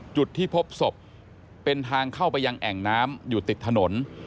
จุดที่พบศพเป็นทางเข้าไปยังแอ่งน้ำอยู่ติดถนน